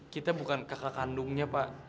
kita bukan kakak kandungnya pak